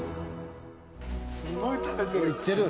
すごい食べてる。